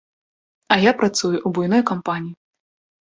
А я працую ў буйной кампаніі.